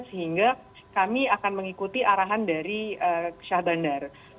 sehingga kami akan mengikuti arahan dari syah bandar